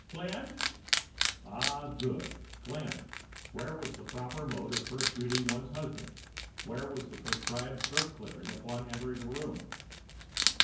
"Glenn " Ah, good! Glenn. Where was the proper mode of first greeting one's husband? Where was the prescribed throat clearing upon entering a room?